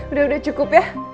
udah udah cukup ya